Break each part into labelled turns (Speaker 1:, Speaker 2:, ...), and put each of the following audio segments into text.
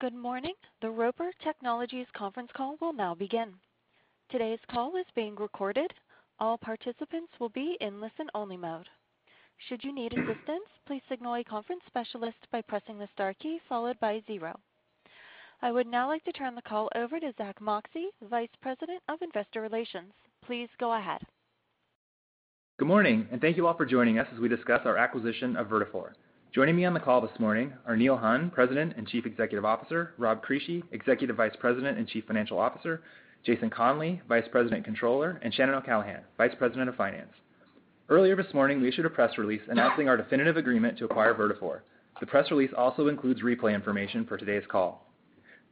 Speaker 1: Good morning. The Roper Technologies Conference Call will now begin. Today's call is being recorded. All participants will be in listen-only mode. Should you need assistance, please signal a conference specialist by pressing the star key followed by zero. I would now like to turn the call over to Zack Moxcey, Vice President of Investor Relations. Please go ahead.
Speaker 2: Good morning, thank you all for joining us as we discuss our acquisition of Vertafore. Joining me on the call this morning are Neil Hunn, President and Chief Executive Officer, Rob Crisci, Executive Vice President and Chief Financial Officer, Jason Conley, Vice President Controller, and Shannon O'Callaghan, Vice President of Finance. Earlier this morning, we issued a press release announcing our definitive agreement to acquire Vertafore. The press release also includes replay information for today's call.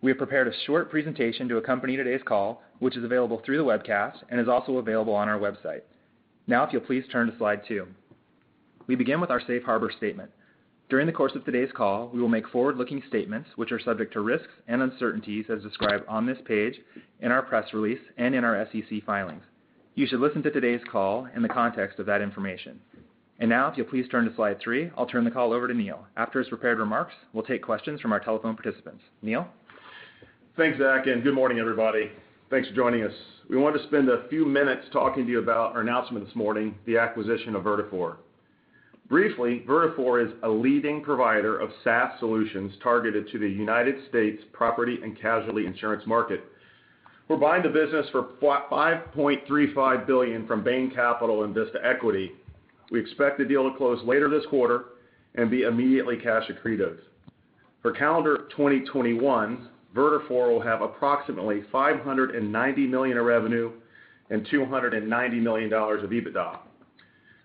Speaker 2: We have prepared a short presentation to accompany today's call, which is available through the webcast and is also available on our website. If you'll please turn to slide two. We begin with our safe harbor statement. During the course of today's call, we will make forward-looking statements which are subject to risks and uncertainties as described on this page, in our press release, and in our SEC filings. You should listen to today's call in the context of that information. Now, if you'll please turn to slide three, I'll turn the call over to Neil. After his prepared remarks, we'll take questions from our telephone participants. Neil?
Speaker 3: Thanks, Zack, good morning, everybody. Thanks for joining us. We want to spend a few minutes talking to you about our announcement this morning, the acquisition of Vertafore. Briefly, Vertafore is a leading provider of SaaS solutions targeted to the United States property and casualty insurance market. We're buying the business for $5.35 billion from Bain Capital and Vista Equity. We expect the deal to close later this quarter and be immediately cash accretive. For calendar 2021, Vertafore will have approximately $590 million of revenue and $290 million of EBITDA.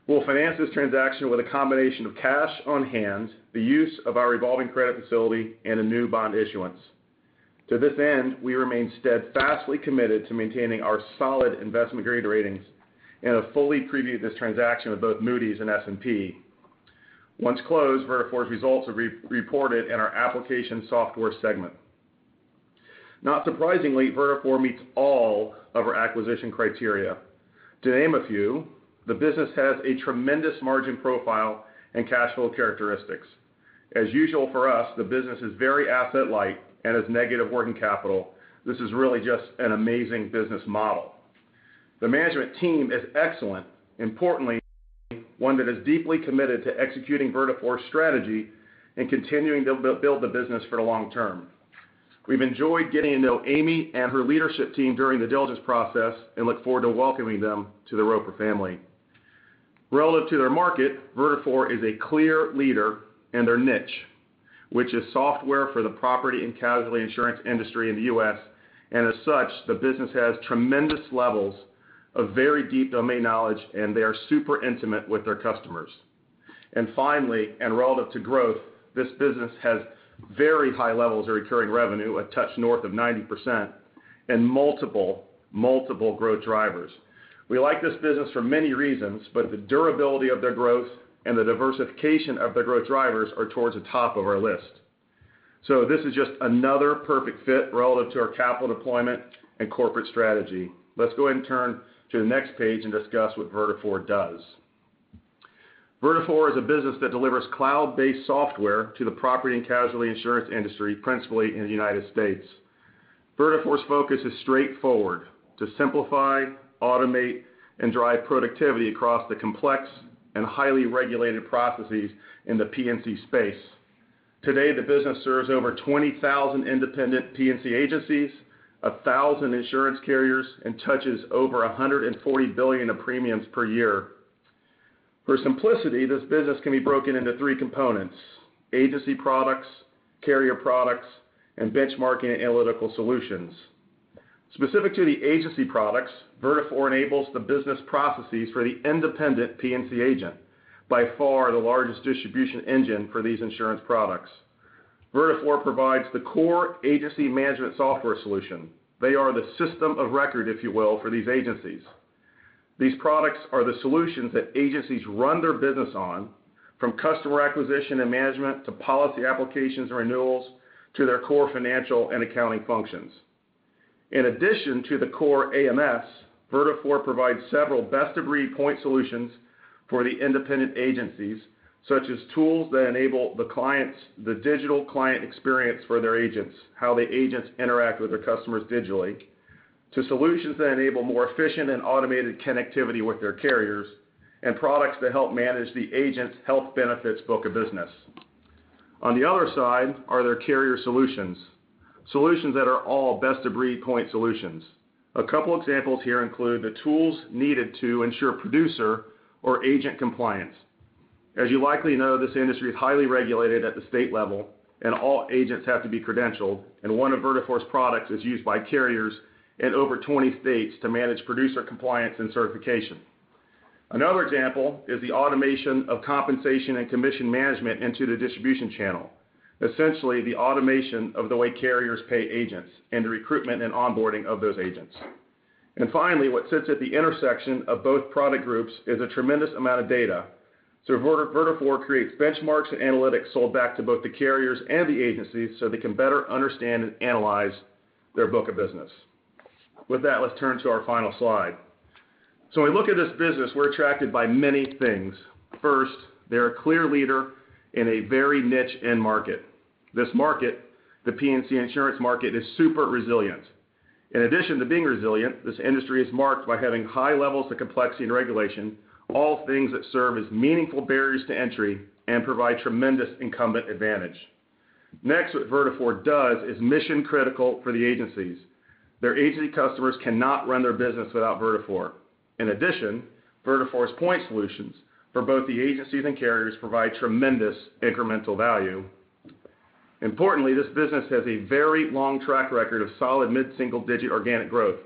Speaker 3: We'll finance this transaction with a combination of cash on hand, the use of our revolving credit facility, and a new bond issuance. To this end, we remain steadfastly committed to maintaining our solid investment-grade ratings and have fully previewed this transaction with both Moody's and S&P. Once closed, Vertafore's results will be reported in our Application Software segment. Not surprisingly, Vertafore meets all of our acquisition criteria. To name a few, the business has a tremendous margin profile and cash flow characteristics. As usual for us, the business is very asset light and has negative working capital. This is really just an amazing business model. The management team is excellent, importantly, one that is deeply committed to executing Vertafore's strategy and continuing to build the business for the long term. We've enjoyed getting to know Amy and her leadership team during the diligence process and look forward to welcoming them to the Roper family. Relative to their market, Vertafore is a clear leader in their niche, which is software for the property and casualty insurance industry in the U.S. As such, the business has tremendous levels of very deep domain knowledge, and they are super intimate with their customers. Finally, and relative to growth, this business has very high levels of recurring revenue, a touch north of 90%, and multiple growth drivers. We like this business for many reasons, but the durability of their growth and the diversification of their growth drivers are towards the top of our list. This is just another perfect fit relative to our capital deployment and corporate strategy. Let's go ahead and turn to the next page and discuss what Vertafore does. Vertafore is a business that delivers cloud-based software to the property and casualty insurance industry, principally in the United States. Vertafore's focus is straightforward: to simplify, automate, and drive productivity across the complex and highly regulated processes in the P&C space. Today, the business serves over 20,000 independent P&C agencies, 1,000 insurance carriers, and touches over $140 billion of premiums per year. For simplicity, this business can be broken into three components: agency products, carrier products, and benchmarking analytical solutions. Specific to the agency products, Vertafore enables the business processes for the independent P&C agent, by far the largest distribution engine for these insurance products. Vertafore provides the core agency management software solution. They are the system of record, if you will, for these agencies. These products are the solutions that agencies run their business on, from customer acquisition and management to policy applications and renewals to their core financial and accounting functions. In addition to the core AMS, Vertafore provides several best-of-breed point solutions for the independent agencies, such as tools that enable the digital client experience for their agents, how the agents interact with their customers digitally, to solutions that enable more efficient and automated connectivity with their carriers, and products that help manage the agent's health benefits book of business. On the other side are their carrier solutions that are all best-of-breed point solutions. A couple examples here include the tools needed to ensure producer or agent compliance. As you likely know, this industry is highly regulated at the state level and all agents have to be credentialed, and one of Vertafore's products is used by carriers in over 20 states to manage producer compliance and certification. Another example is the automation of compensation and commission management into the distribution channel, essentially the automation of the way carriers pay agents and the recruitment and onboarding of those agents. Finally, what sits at the intersection of both product groups is a tremendous amount of data. Vertafore creates benchmarks and analytics sold back to both the carriers and the agencies so they can better understand and analyze their book of business. With that, let's turn to our final slide. When we look at this business, we're attracted by many things. First, they're a clear leader in a very niche end market. This market, the P&C insurance market, is super resilient. In addition to being resilient, this industry is marked by having high levels of complexity and regulation, all things that serve as meaningful barriers to entry and provide tremendous incumbent advantage. What Vertafore does is mission-critical for the agencies. Their agency customers cannot run their business without Vertafore. In addition, Vertafore's point solutions for both the agencies and carriers provide tremendous incremental value. Importantly, this business has a very long track record of solid mid-single-digit organic growth.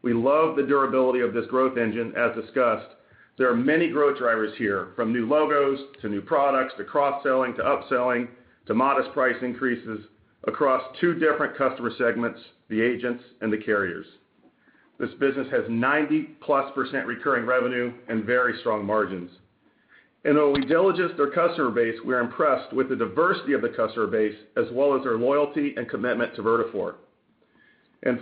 Speaker 3: We love the durability of this growth engine, as discussed. There are many growth drivers here, from new logos, to new products, to cross-selling, to upselling, to modest price increases across two different customer segments, the agents and the carriers. This business has 90%+ recurring revenue and very strong margins. When we diligence their customer base, we're impressed with the diversity of the customer base, as well as their loyalty and commitment to Vertafore.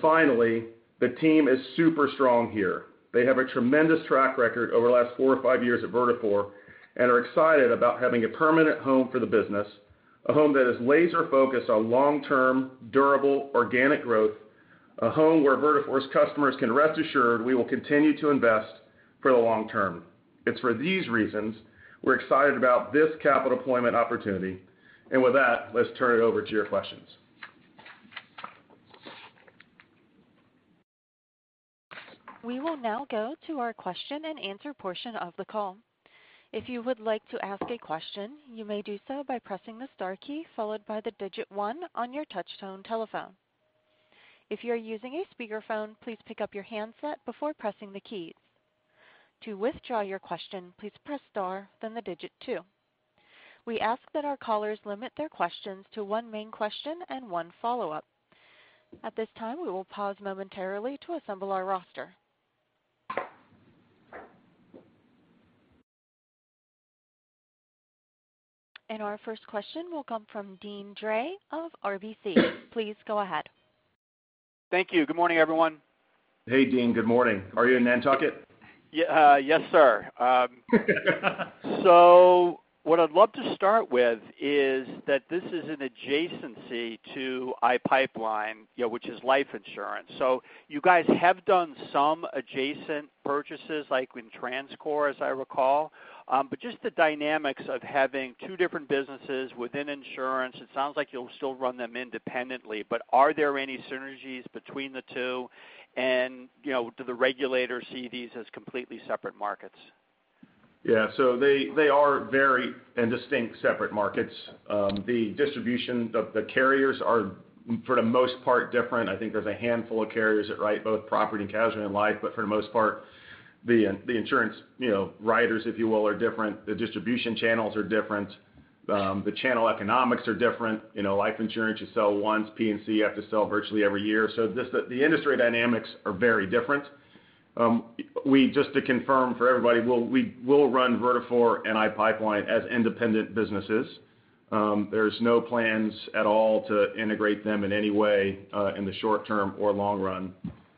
Speaker 3: Finally, the team is super strong here. They have a tremendous track record over the last four or five years at Vertafore and are excited about having a permanent home for the business, a home that is laser-focused on long-term, durable, organic growth, a home where Vertafore's customers can rest assured we will continue to invest for the long term. It's for these reasons we're excited about this capital deployment opportunity. With that, let's turn it over to your questions.
Speaker 1: We will now go to our question-and-answer portion of the call. If you would like to ask a question, you may do so by pressing the star key, followed by the digit one on your touch tone telephone. If you're using a speakerphone, please pick up your handset before pressing the keys. To withdraw your question, please press star, then the digit two. We ask that our callers limit their questions to one main question and one follow-up. At this time, we will pause momentarily to assemble our roster. Our first question will come from Deane Dray of RBC. Please go ahead.
Speaker 4: Thank you. Good morning, everyone.
Speaker 3: Hey, Deane. Good morning. Are you in Nantucket?
Speaker 4: Yes, sir. What I'd love to start with is that this is an adjacency to iPipeline, which is life insurance. You guys have done some adjacent purchases, like with TransCore, as I recall. Just the dynamics of having two different businesses within insurance, it sounds like you'll still run them independently, but are there any synergies between the two? Do the regulators see these as completely separate markets?
Speaker 3: They are very distinct, separate markets. The distribution, the carriers are, for the most part, different. I think there's a handful of carriers that write both property and casualty and life, for the most part, the insurance riders, if you will, are different. The distribution channels are different. The channel economics are different. Life insurance, you sell once. P&C, you have to sell virtually every year. The industry dynamics are very different. Just to confirm for everybody, we will run Vertafore and iPipeline as independent businesses. There's no plans at all to integrate them in any way, in the short term or long run.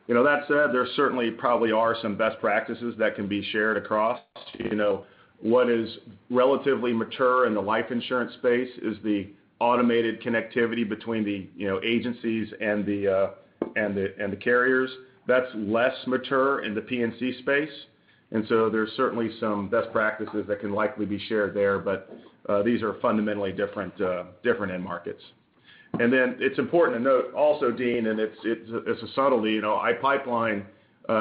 Speaker 3: There certainly probably are some best practices that can be shared across. What is relatively mature in the life insurance space is the automated connectivity between the agencies and the carriers. That's less mature in the P&C space. There's certainly some best practices that can likely be shared there. These are fundamentally different end markets. It's important to note also, Deane, and it's a subtlety, iPipeline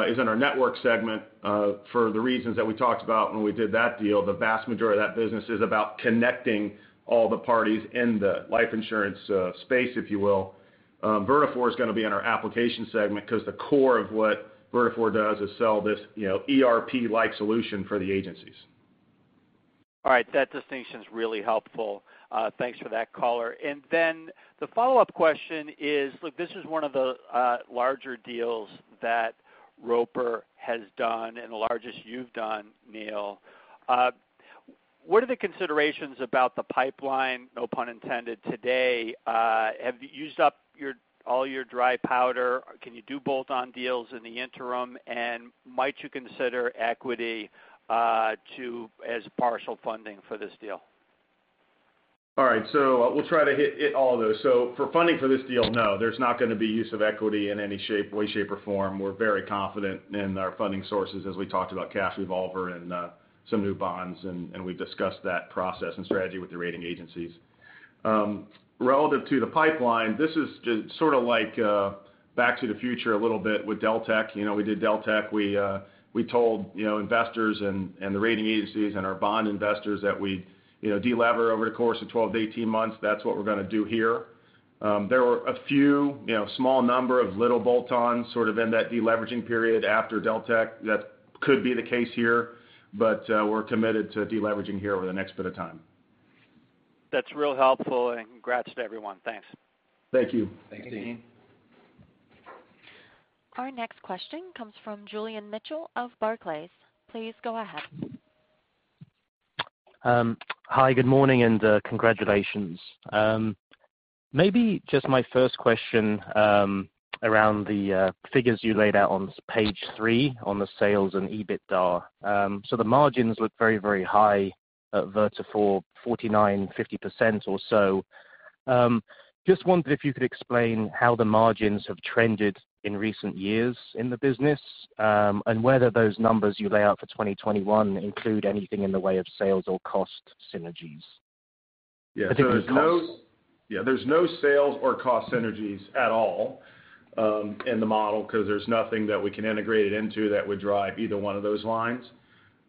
Speaker 3: is in our network segment for the reasons that we talked about when we did that deal. The vast majority of that business is about connecting all the parties in the life insurance space, if you will. Vertafore is going to be in our application segment because the core of what Vertafore does is sell this ERP-like solution for the agencies.
Speaker 4: All right. That distinction's really helpful. Thanks for that color. The follow-up question is, look, this is one of the larger deals that Roper has done and the largest you've done, Neil. What are the considerations about the pipeline, no pun intended, today? Have you used up all your dry powder? Can you do bolt-on deals in the interim? Might you consider equity as partial funding for this deal?
Speaker 3: All right. We'll try to hit all of those. For funding for this deal, no, there's not going to be use of equity in any way, shape, or form. We're very confident in our funding sources as we talked about cash revolver and some new bonds, and we've discussed that process and strategy with the rating agencies. Relative to the pipeline, this is just sort of like back to the future a little bit with Deltek. We did Deltek. We told investors and the rating agencies and our bond investors that we'd de-lever over the course of 12-18 months. That's what we're going to do here. There were a few small number of little bolt-ons sort of in that de-leveraging period after Deltek. That could be the case here, but we're committed to de-leveraging here over the next bit of time.
Speaker 4: That's real helpful, and congrats to everyone. Thanks.
Speaker 3: Thank you.
Speaker 5: Thanks, Deane.
Speaker 1: Our next question comes from Julian Mitchell of Barclays. Please go ahead.
Speaker 6: Hi, good morning and congratulations. Maybe just my first question around the figures you laid out on page three on the sales and EBITDA. The margins look very, very high at Vertafore, 49%-50% or so. Just wondered if you could explain how the margins have trended in recent years in the business, and whether those numbers you lay out for 2021 include anything in the way of sales or cost synergies. I think it was cost.
Speaker 3: Yeah. There's no sales or cost synergies at all in the model because there's nothing that we can integrate it into that would drive either one of those lines.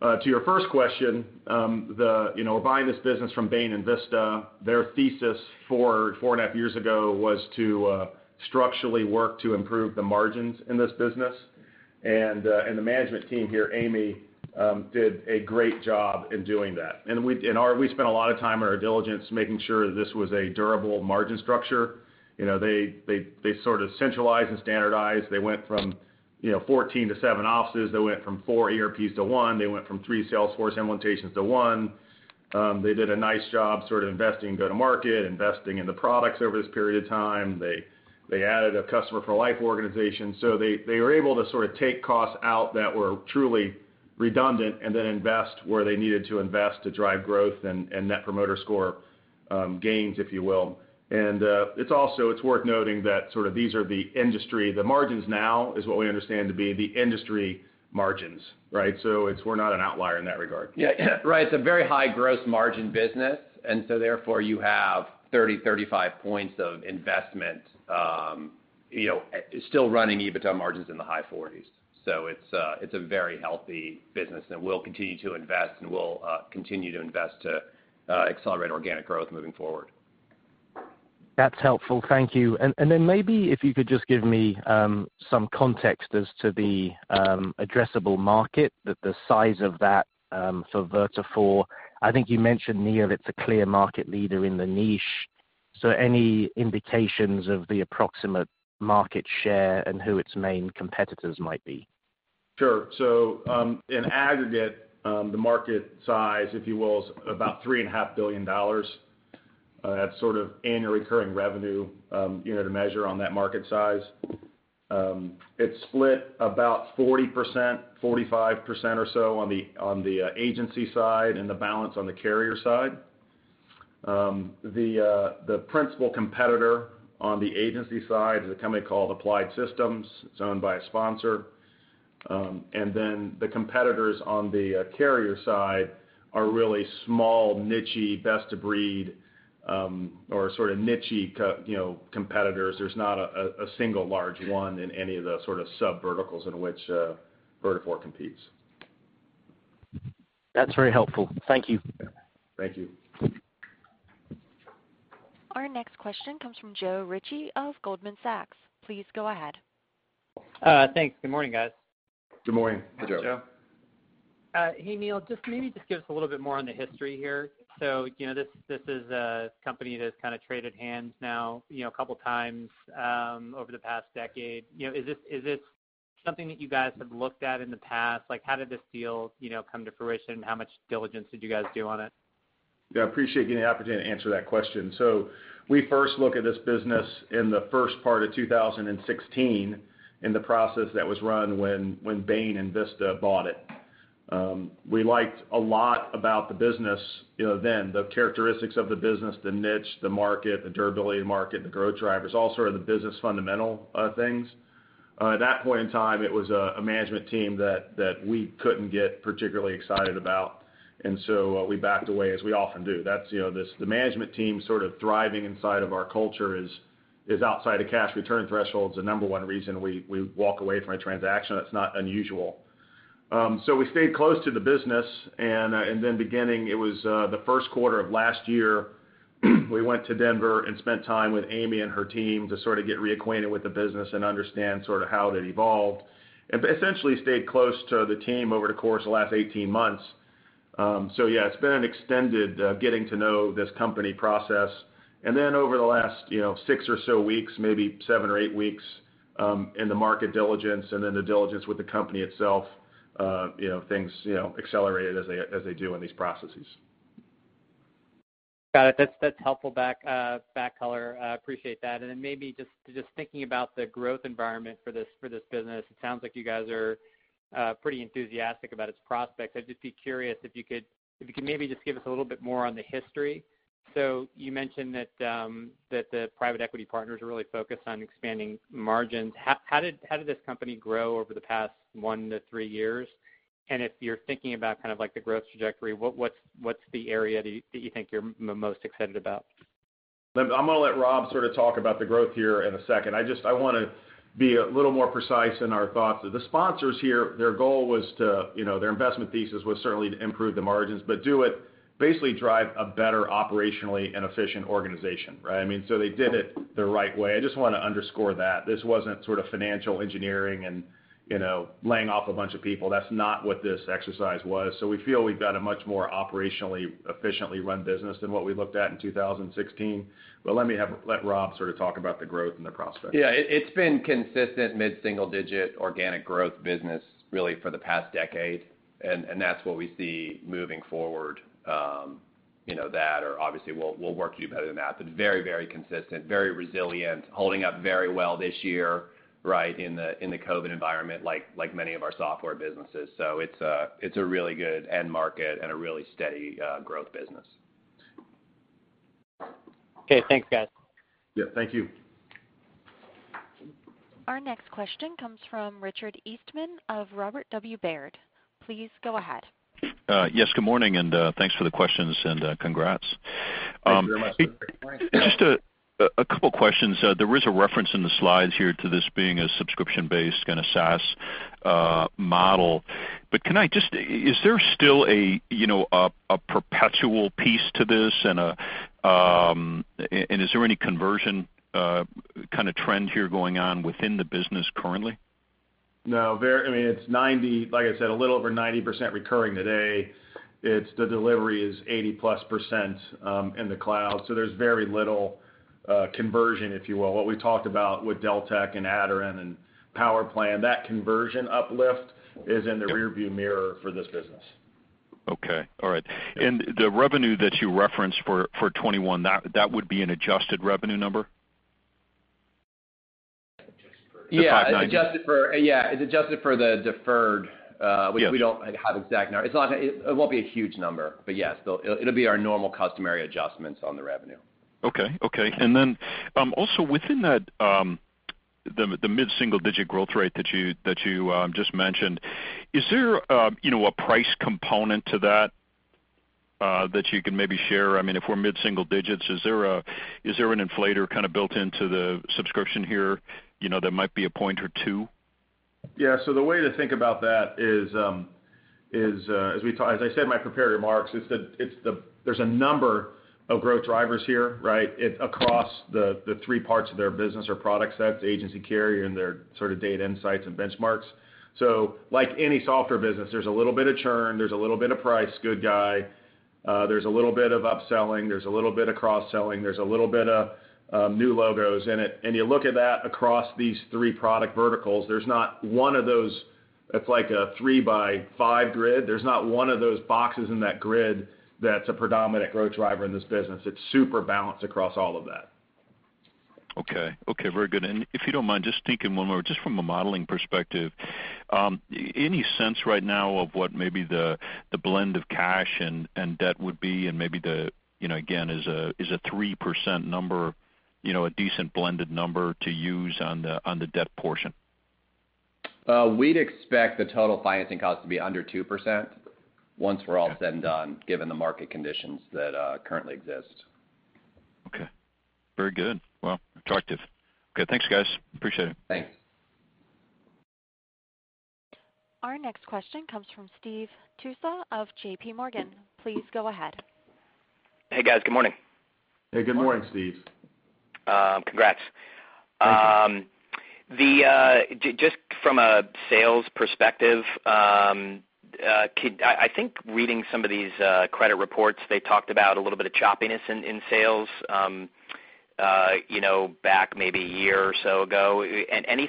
Speaker 3: To your first question, buying this business from Bain and Vista, their thesis four and a half years ago was to structurally work to improve the margins in this business, and the management team here, Amy, did a great job in doing that. We spent a lot of time in our diligence making sure that this was a durable margin structure. They sort of centralized and standardized. They went from 14 to seven offices. They went from four ERPs to one. They went from three Salesforce implementations to one. They did a nice job sort of investing go-to-market, investing in the products over this period of time. They added a Customer for Life organization. They were able to sort of take costs out that were truly redundant, and then invest where they needed to invest to drive growth and Net Promoter Score gains, if you will. It's worth noting that the margins now is what we understand to be the industry margins, right? We're not an outlier in that regard.
Speaker 5: Yeah. Right. It's a very high gross margin business. You have 30%, 35% points of investment, still running EBITDA margins in the high 40s. It's a very healthy business, and we'll continue to invest to accelerate organic growth moving forward.
Speaker 6: That's helpful. Thank you. Maybe if you could just give me some context as to the addressable market, the size of that for Vertafore? I think you mentioned, Neil, it's a clear market leader in the niche. Any indications of the approximate market share and who its main competitors might be?
Speaker 3: Sure. In aggregate, the market size, if you will, is about $3.5 billion. That's sort of annual recurring revenue, to measure on that market size. It's split about 40%, 45% or so on the agency side and the balance on the carrier side. The principal competitor on the agency side is a company called Applied Systems. It's owned by a sponsor. The competitors on the carrier side are really small, nichey, best of breed, or sort of nichey competitors. There's not a single large one in any of the sort of sub-verticals in which Vertafore competes.
Speaker 6: That's very helpful. Thank you.
Speaker 3: Yeah. Thank you.
Speaker 1: Our next question comes from Joe Ritchie of Goldman Sachs. Please go ahead.
Speaker 7: Thanks. Good morning, guys.
Speaker 3: Good morning.
Speaker 5: Hi, Joe.
Speaker 7: Hey, Neil, just maybe just give us a little bit more on the history here. This is a company that's kind of traded hands now a couple of times over the past decade. Is this something that you guys have looked at in the past? How did this deal come to fruition? How much diligence did you guys do on it?
Speaker 3: Yeah, I appreciate getting the opportunity to answer that question. We first look at this business in the first part of 2016 in the process that was run when Bain and Vista bought it. We liked a lot about the business then, the characteristics of the business, the niche, the market, the durability of the market, and the growth drivers, all sort of the business fundamental things. At that point in time, it was a management team that we couldn't get particularly excited about, we backed away as we often do. The management team sort of thriving inside of our culture is outside of cash return threshold is the number one reason we walk away from a transaction. That's not unusual. We stayed close to the business and then beginning, it was the first quarter of last year, we went to Denver and spent time with Amy and her team to sort of get reacquainted with the business and understand sort of how it had evolved. Essentially stayed close to the team over the course of the last 18 months. Yeah, it's been an extended getting to know this company process. Then over the last six or so weeks, maybe seven or eight weeks, in the market diligence and then the diligence with the company itself, things accelerated as they do in these processes.
Speaker 7: Got it. That's helpful back color. I appreciate that. Then maybe just thinking about the growth environment for this business, it sounds like you guys are pretty enthusiastic about its prospects. I'd just be curious if you could maybe just give us a little bit more on the history. You mentioned that the private equity partners are really focused on expanding margins. How did this company grow over the past one to three years? If you're thinking about kind of like the growth trajectory, what's the area that you think you're most excited about?
Speaker 3: I'm going to let Rob sort of talk about the growth here in a second. I want to be a little more precise in our thoughts. The sponsors here, their investment thesis was certainly to improve the margins, but do it, basically drive a better operationally and efficient organization, right? They did it the right way. I just want to underscore that. This wasn't sort of financial engineering and laying off a bunch of people. That's not what this exercise was. We feel we've got a much more operationally efficiently run business than what we looked at in 2016. Let Rob sort of talk about the growth and the prospects.
Speaker 5: It's been consistent mid-single digit organic growth business really for the past decade. That's what we see moving forward that or obviously we'll work to do better than that. Very consistent, very resilient, holding up very well this year in the COVID environment, like many of our software businesses. It's a really good end market and a really steady growth business.
Speaker 7: Okay. Thanks, guys.
Speaker 3: Yeah. Thank you.
Speaker 1: Our next question comes from Richard Eastman of Robert W. Baird. Please go ahead.
Speaker 8: Yes. Good morning, and thanks for the questions and congrats.
Speaker 3: Thank you very much.
Speaker 8: Just a couple questions. There is a reference in the slides here to this being a subscription-based and a SaaS model. Is there still a perpetual piece to this, and is there any conversion kind of trend here going on within the business currently?
Speaker 3: No. Like I said, a little over 90% recurring today. The delivery is 80%+ in the cloud. There's very little conversion, if you will. What we talked about with Deltek and Aderant and PowerPlan, that conversion uplift is in the rear view mirror for this business.
Speaker 8: Okay. All right. The revenue that you referenced for 2021, that would be an adjusted revenue number?
Speaker 5: It's adjusted for the deferred. We don't have exact numbers. It won't be a huge number, but yes, it'll be our normal customary adjustments on the revenue.
Speaker 8: Okay. Also within the mid-single-digit growth rate that you just mentioned, is there a price component to that that you can maybe share? If we're mid-single digits, is there an inflator kind of built into the subscription here that might be a point or two?
Speaker 3: Yeah. The way to think about that is, as I said in my prepared remarks, there's a number of growth drivers here across the three parts of their business or product sets, agency carrier, and their sort of data insights and benchmarks. Like any software business, there's a little bit of churn, there's a little bit of price, good guy, there's a little bit of upselling, there's a little bit of cross-selling, there's a little bit of new logos in it. You look at that across these three product verticals, it's like a three by five grid. There's not one of those boxes in that grid that's a predominant growth driver in this business. It's super balanced across all of that.
Speaker 8: Okay. Very good. If you don't mind just thinking one more, just from a modeling perspective, any sense right now of what maybe the blend of cash and debt would be and maybe, again, is a 3% number a decent blended number to use on the debt portion?
Speaker 5: We'd expect the total financing cost to be under 2% once we're all said and done, given the market conditions that currently exist.
Speaker 8: Okay. Very good. Well, attractive. Good. Thanks, guys. Appreciate it.
Speaker 5: Thanks.
Speaker 1: Our next question comes from Steve Tusa of JPMorgan. Please go ahead.
Speaker 9: Hey, guys. Good morning.
Speaker 3: Hey, good morning, Steve.
Speaker 9: Congrats.
Speaker 3: Thank you.
Speaker 9: Just from a sales perspective, I think reading some of these credit reports, they talked about a little bit of choppiness in sales back maybe a year or so ago. Can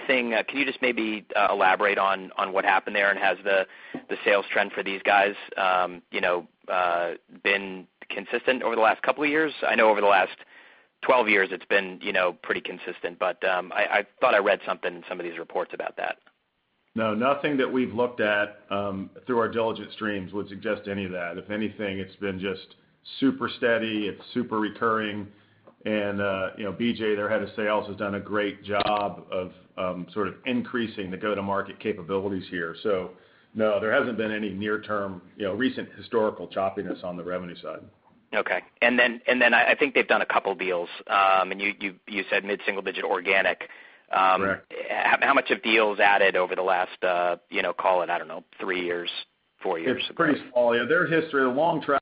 Speaker 9: you just maybe elaborate on what happened there? Has the sales trend for these guys been consistent over the last couple of years? I know over the last 12 years it's been pretty consistent, but I thought I read something in some of these reports about that.
Speaker 3: Nothing that we've looked at through our diligent streams would suggest any of that. If anything, it's been just super steady. It's super recurring. B.J., their head of sales, has done a great job of sort of increasing the go-to-market capabilities here. No, there hasn't been any near-term recent historical choppiness on the revenue side.
Speaker 9: Okay. I think they've done a couple deals. You said mid-single digit organic.
Speaker 3: Correct.
Speaker 9: How much of deals added over the last, call it, I don't know, three years, four years?
Speaker 3: It's pretty small. Yeah. Their history, a long track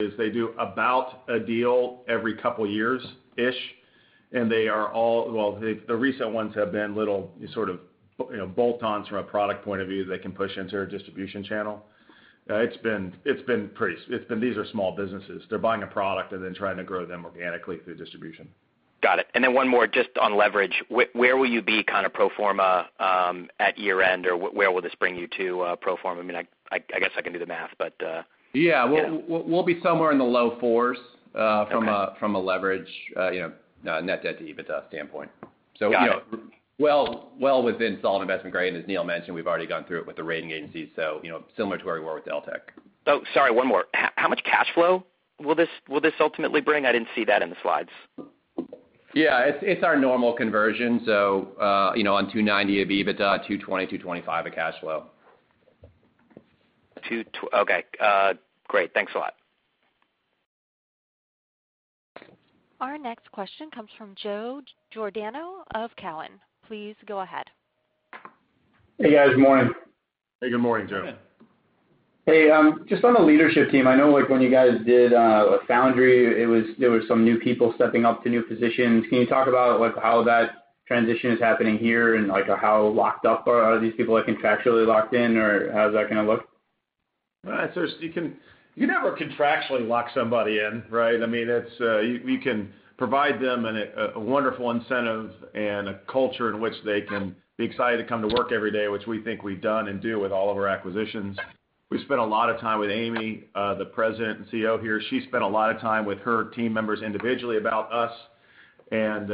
Speaker 3: is they do about a deal every couple years-ish. Well, the recent ones have been little sort of bolt-ons from a product point of view they can push into a distribution channel. These are small businesses. They're buying a product and then trying to grow them organically through distribution.
Speaker 9: Got it. One more just on leverage. Where will you be kind of pro forma at year end, or where will this bring you to pro forma? I guess I can do the math.
Speaker 5: Yeah. We'll be somewhere in the low fours from a leverage net debt to EBITDA standpoint.
Speaker 9: Got it.
Speaker 5: Well within solid investment grade, and as Neil mentioned, we've already gone through it with the rating agencies, so similar to where we were with Deltek.
Speaker 9: Oh, sorry, one more. How much cash flow will this ultimately bring? I didn't see that in the slides.
Speaker 5: Yeah. It's our normal conversion, so on $290 million of EBITDA, $220 million million-$225 of cash flow.
Speaker 9: Okay. Great. Thanks a lot.
Speaker 1: Our next question comes from Joe Giordano of Cowen. Please go ahead.
Speaker 10: Hey, guys. Morning.
Speaker 3: Hey, good morning, Joe.
Speaker 10: Hey, just on the leadership team, I know when you guys did Foundry, there were some new people stepping up to new positions. Can you talk about how that transition is happening here, and how locked up are these people, like contractually locked in, or how does that kind of look?
Speaker 3: You never contractually lock somebody in, right? You can provide them a wonderful incentive and a culture in which they can be excited to come to work every day, which we think we've done and do with all of our acquisitions. We spent a lot of time with Amy, the President and CEO here. She spent a lot of time with her team members individually about us, and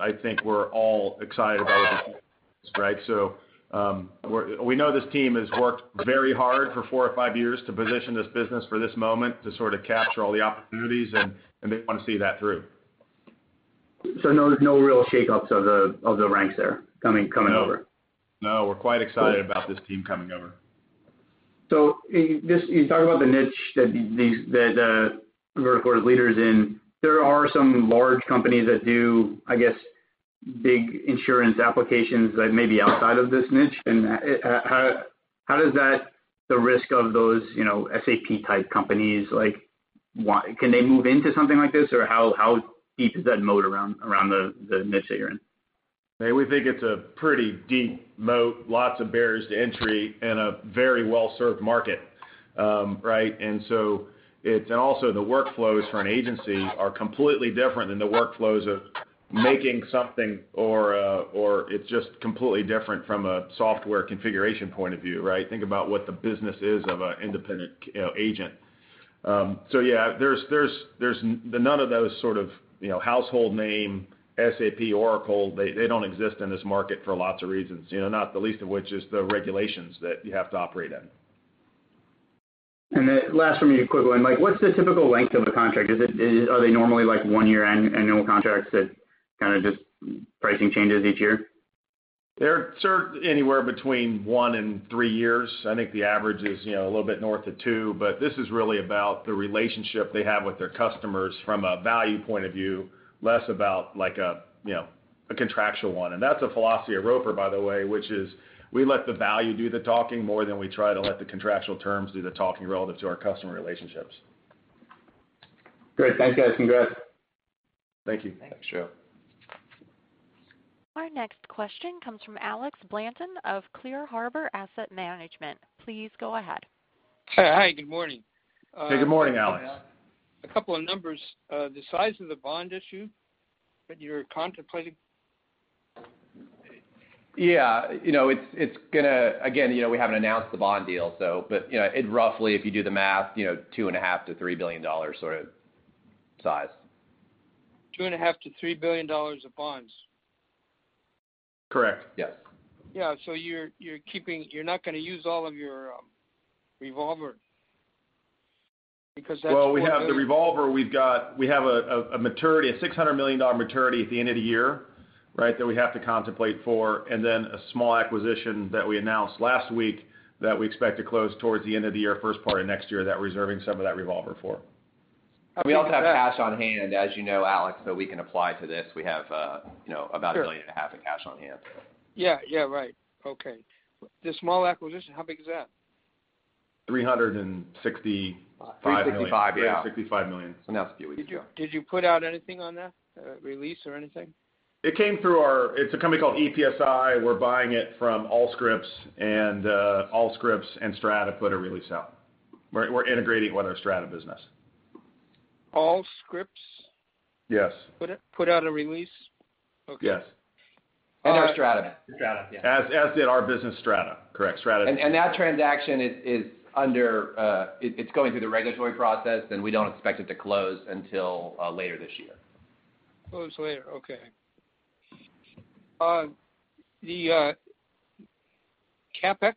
Speaker 3: I think we're all excited about this, right? We know this team has worked very hard for four or five years to position this business for this moment to sort of capture all the opportunities, and they want to see that through.
Speaker 10: No real shakeups of the ranks there coming over?
Speaker 3: No. We're quite excited about this team coming over.
Speaker 10: You talk about the niche that Vertafore was leaders in. There are some large companies that do, I guess, big insurance applications that may be outside of this niche. How does the risk of those SAP type companies, can they move into something like this? Or how deep is that moat around the niche that you're in?
Speaker 3: We think it's a pretty deep moat, lots of barriers to entry and a very well-served market. Right? Also the workflows for an agency are completely different than the workflows of making something, or it's just completely different from a software configuration point of view, right? Think about what the business is of an independent agent. Yeah, none of those sort of household name, SAP, Oracle, they don't exist in this market for lots of reasons. Not the least of which is the regulations that you have to operate in.
Speaker 10: Last from me, a quick one. What's the typical length of a contract? Are they normally one-year annual contracts that kind of just pricing changes each year?
Speaker 3: They're anywhere between one and three years. I think the average is a little bit north of two, but this is really about the relationship they have with their customers from a value point of view, less about a contractual one. That's a philosophy at Roper, by the way, which is we let the value do the talking more than we try to let the contractual terms do the talking relative to our customer relationships.
Speaker 10: Great. Thanks, guys. Congrats.
Speaker 3: Thank you.
Speaker 5: Thanks, Joe.
Speaker 1: Our next question comes from Alex Blanton of Clear Harbor Asset Management. Please go ahead.
Speaker 11: Hi. Good morning.
Speaker 3: Hey, good morning, Alex.
Speaker 11: A couple of numbers. The size of the bond issue that you're contemplating?
Speaker 5: Yeah. Again, we haven't announced the bond deal, but roughly if you do the math, $2.5 billion-$3 billion sort of size.
Speaker 11: $2.5 billion-$3 billion of bonds?
Speaker 5: Correct. Yes.
Speaker 11: Yeah. You're not going to use all of your revolver.
Speaker 3: Well, we have the revolver. We have a $600 million maturity at the end of the year that we have to contemplate for, and then a small acquisition that we announced last week that we expect to close towards the end of the year, first part of next year, that reserving some of that revolver for.
Speaker 5: We also have cash on hand, as you know, Alex, that we can apply to this. We have about $1.5 billion in cash on hand.
Speaker 11: Yeah. Right. Okay. The small acquisition, how big is that?
Speaker 3: $365 million.
Speaker 5: $365 million. Yeah.
Speaker 3: $365 million.
Speaker 5: Announced it a few weeks ago.
Speaker 11: Did you put out anything on that? A release or anything?
Speaker 3: It's a company called EPSi. We're buying it from Allscripts. Allscripts and Strata put a release out. We're integrating with our Strata business.
Speaker 11: Allscripts?
Speaker 3: Yes.
Speaker 11: Put out a release? Okay.
Speaker 3: Yes.
Speaker 5: Under Strata.
Speaker 3: Strata, yeah. As did our business, Strata. Correct. Strata.
Speaker 5: That transaction, it's going through the regulatory process, and we don't expect it to close until later this year.
Speaker 11: Close later, okay. The CapEx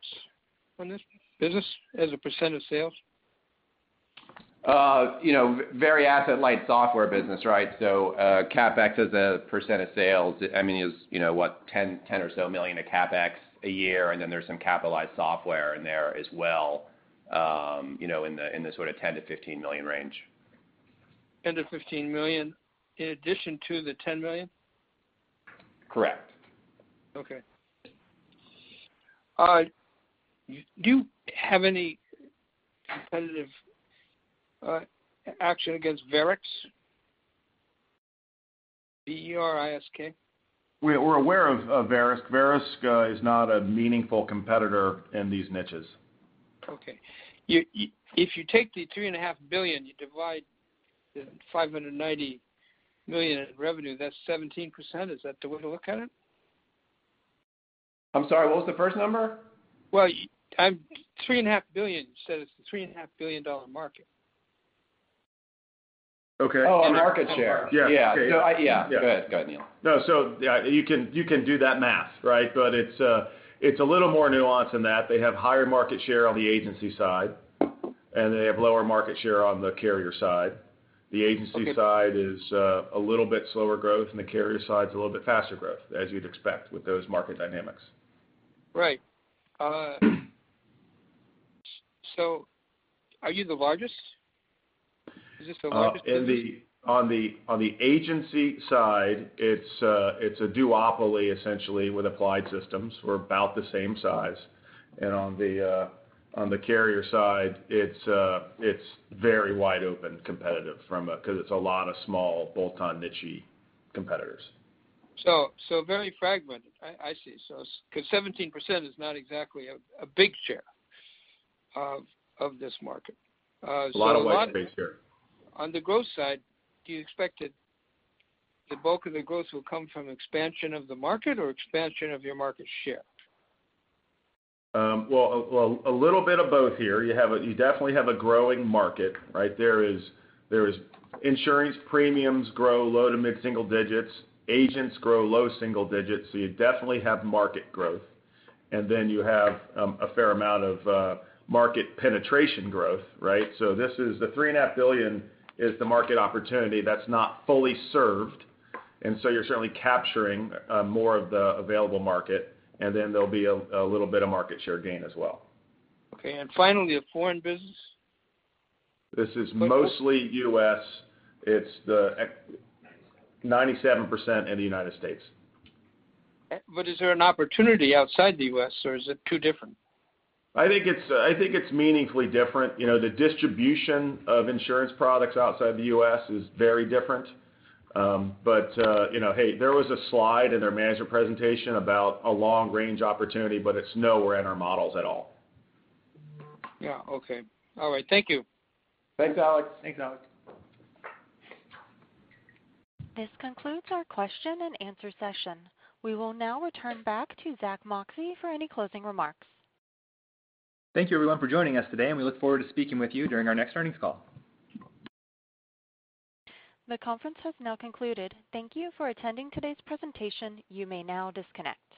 Speaker 11: on this business as a percent of sales?
Speaker 5: Very asset light software business, right? CapEx as a percent of sales, I mean, is what, $10 or so million of CapEx a year. Then there's some capitalized software in there as well, in the sort of $10 million-$15 million range.
Speaker 11: $10 million-$15 million in addition to the $10 million?
Speaker 5: Correct.
Speaker 11: Okay. Do you have any competitive action against Verisk? V-E-R-I-S-K.
Speaker 3: We're aware of Verisk. Verisk is not a meaningful competitor in these niches.
Speaker 11: Okay. If you take the $3.5 billion, you divide the $590 million in revenue, that's 17%. Is that the way to look at it?
Speaker 3: I'm sorry, what was the first number?
Speaker 11: Well, $3.5 billion. You said it's a $3.5 billion market.
Speaker 3: Okay.
Speaker 5: Oh, in market share.
Speaker 3: Yeah. Okay.
Speaker 5: Yeah. Go ahead, Neil.
Speaker 3: No, you can do that math, right? It's a little more nuanced than that. They have higher market share on the agency side, and they have lower market share on the carrier side.
Speaker 11: Okay.
Speaker 3: The agency side is a little bit slower growth, and the carrier side's a little bit faster growth, as you'd expect with those market dynamics.
Speaker 11: Right. Are you the largest? Is this the largest?
Speaker 3: On the agency side, it's a duopoly, essentially, with Applied Systems. We're about the same size. On the carrier side, it's very wide open competitive because it's a lot of small, bolt-on, nichey competitors.
Speaker 11: Very fragmented. I see. 17% is not exactly a big share of this market.
Speaker 3: A lot of white space here.
Speaker 11: On the growth side, do you expect the bulk of the growth will come from expansion of the market or expansion of your market share?
Speaker 3: Well, a little bit of both here. You definitely have a growing market, right? There is insurance premiums grow low to mid-single digits. Agents grow low single digits. You definitely have market growth. You have a fair amount of market penetration growth, right? The $3.5 billion is the market opportunity that's not fully served, you're certainly capturing more of the available market, there'll be a little bit of market share gain as well.
Speaker 11: Okay. Finally, a foreign business?
Speaker 3: This is mostly U.S. It's 97% in the United States.
Speaker 11: Is there an opportunity outside the U.S., or is it too different?
Speaker 3: I think it's meaningfully different. The distribution of insurance products outside the U.S. is very different. Hey, there was a slide in their management presentation about a long-range opportunity, but it's nowhere in our models at all.
Speaker 11: Yeah. Okay. All right. Thank you.
Speaker 3: Thanks, Alex.
Speaker 5: Thanks, Alex.
Speaker 1: This concludes our question and answer session. We will now return back to Zack Moxcey for any closing remarks.
Speaker 2: Thank you everyone for joining us today, and we look forward to speaking with you during our next earnings call.
Speaker 1: The conference has now concluded. Thank you for attending today's presentation. You may now disconnect.